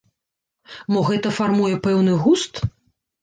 Мо гэта фармуе пэўны густ?